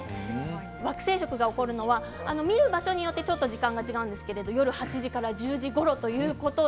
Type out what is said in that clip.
惑星食が起こるのは見る場所によって多少時間が違いますけど夜８時から１０時くらいです。